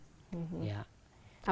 apa apa saja bisa ditemukan